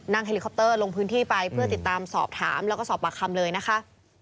เฮลิคอปเตอร์ลงพื้นที่ไปเพื่อติดตามสอบถามแล้วก็สอบปากคำเลยนะคะ